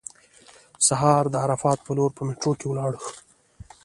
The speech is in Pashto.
سهار د عرفات په لور په میټرو کې ولاړو.